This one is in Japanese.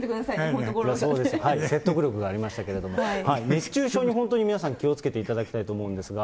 そうですよ、説得力がありましたけれども、熱中症に本当に皆さん気をつけていただきたいと思うんですが。